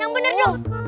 yang bener dong